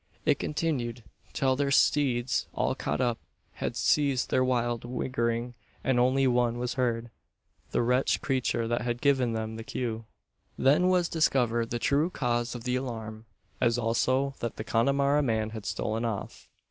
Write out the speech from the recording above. It continued, till their steeds, all caught up, had ceased their wild whighering; and only one was heard the wretched creature that had given them the cue. Then was discovered the true cause of the alarm; as also that the Connemara man had stolen off.